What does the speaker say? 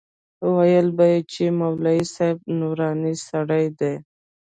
ويل به يې چې مولوي صاحب نوراني سړى دى.